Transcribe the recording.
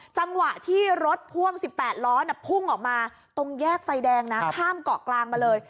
จังหวะที่รถพ่วง๑๘ล้อพุ่งออกมาตรงแยกไฟแดงนะข้ามเกาะกลางมาเลย